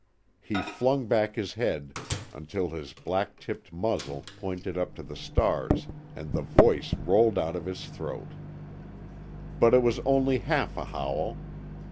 He flung back his head, until his black tipped muzzle pointed up to the stars, and the voice rolled out of his throat. But it was only half a howl.